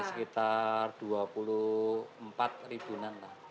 ya sekitar rp dua puluh empat an lah